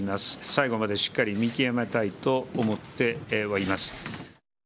最後までしっかり見極めたいと思ってはいます。